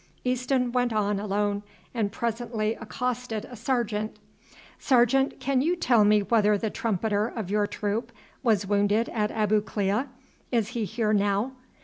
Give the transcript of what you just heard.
Easton went on alone and presently accosted a sergeant. "Sergeant, can you tell me whether the trumpeter of your troop was wounded at Abu Klea? Is he here now?"